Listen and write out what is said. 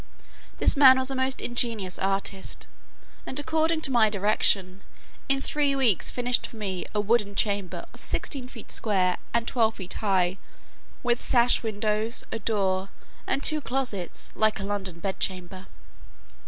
This man was a most ingenious artist, and according to my direction, in three weeks finished for me a wooden chamber of sixteen feet square, and twelve high, with sash windows, a door, and two closets, like a London bed chamber.